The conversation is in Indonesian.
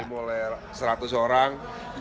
demo oleh seratus orang